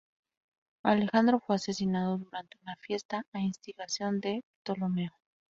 Alejandro fue asesinado durante una fiesta a instigación de Ptolomeo.